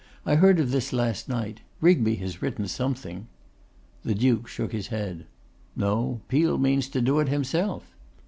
'I heard of this last night: Rigby has written something.' The Duke shook his head. 'No; Peel means to do it himself.